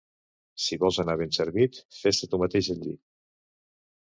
Si vols anar ben servit, fes-te tu mateix el llit